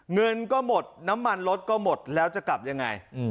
เงินก็หมดน้ำมันรถก็หมดแล้วจะกลับยังไง